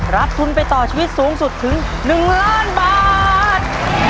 รับทุนไปต่อชีวิตสูงสุดถึง๑ล้านบาท